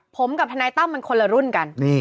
ผมกับทนายตั้มมันคนละรุ่นกัน